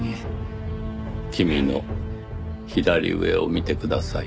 君の左上を見てください。